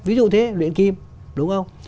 ví dụ thế luyện kim đúng không